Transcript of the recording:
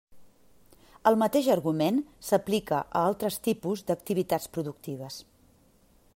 El mateix argument s'aplica a altres tipus d'activitats productives.